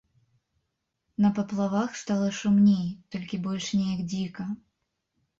На паплавах стала шумней, толькі больш неяк дзіка.